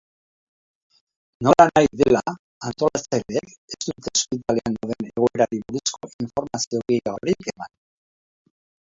Nolanahi dela, antolatzaileek ez dute ospitalean daudenen egoerari buruzko informazio gehiagorik eman.